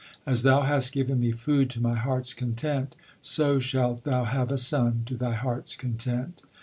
As thou hast given me food to my heart s content, so shalt thou have a son to thy heart s content.